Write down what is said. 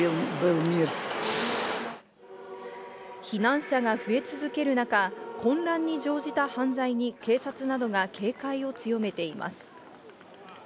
避難者が増え続ける中、混乱に乗じた犯罪に警察などが警戒を強めています。